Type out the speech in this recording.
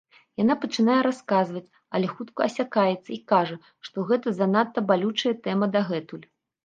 Яна пачынае расказваць, але хутка асякаецца і кажа, што гэта занадта балючая тэма дагэтуль.